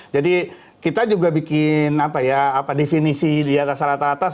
jadi kita juga bikin definisi di atas rata rata